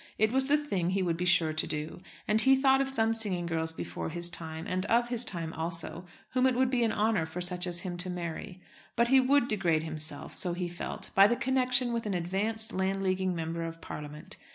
It was the thing he would be sure to do. And he thought of some singing girls before his time, and of his time also, whom it would be an honour for such as him to marry. But he would degrade himself so he felt by the connection with an advanced Landleaguing Member of Parliament.